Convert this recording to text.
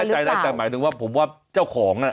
อันนั้นก็ไม่แน่ใจเลยแต่หมายถึงว่าผมว่าเจ้าของน่ะ